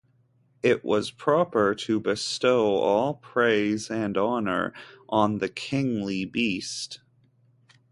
It was proper to bestow all praise and honor on the kingly beast.